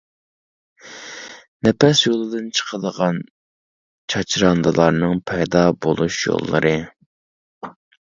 نەپەس يولىدىن چىقىدىغان چاچراندىلارنىڭ پەيدا بولۇش يوللىرى.